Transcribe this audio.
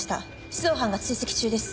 出動班が追跡中です。